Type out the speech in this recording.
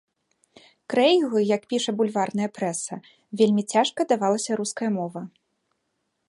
Крэйгу, як піша бульварная прэса, вельмі цяжка давалася руская мова.